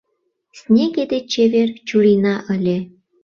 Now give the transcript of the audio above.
Снеге деч чевер чурийна ыле